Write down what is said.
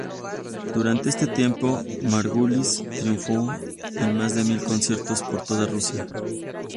Durante este tiempo, Margulis triunfó en más de mil conciertos por toda Rusia.